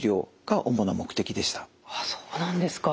あっそうなんですか。